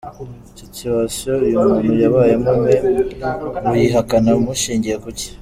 Situation uyu muntu yabayemo mwe muyihakana mushingiye kuki?.